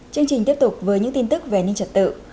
chương trình tiếp tục với những tin tức về an ninh trật tự